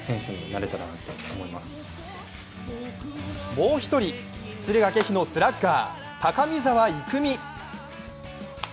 もう一人、敦賀気比のスラッガー高見澤郁魅。